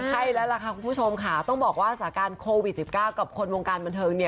ใช่แล้วล่ะค่ะคุณผู้ชมค่ะต้องบอกว่าสถานการณ์โควิด๑๙กับคนวงการบันเทิง